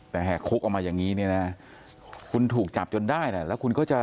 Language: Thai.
แต่แหกคุกออกมาอย่างนี้เนี่ยนะคุณถูกจับจนได้นะแล้วคุณก็จะ